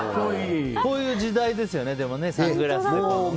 こういう時代ですよねサングラスね。